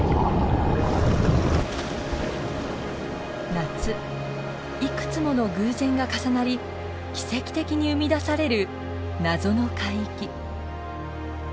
夏いくつもの偶然が重なり奇跡的に生み出される謎の海域。